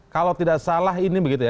kalau tidak salah ini begitu ya